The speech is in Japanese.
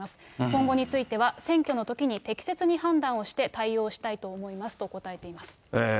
今後については、選挙のときに適切に判断をして、対応したいと思いますと答えています。